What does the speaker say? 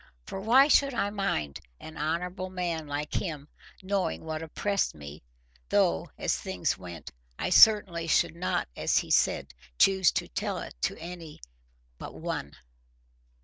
For why should I mind an honourable man like him knowing what oppressed me, though, as things went, I certainly should not, as he said, choose to tell it to any but one?